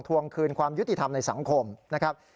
ทวงคืนความยุติธรรมในสังคมนะครับ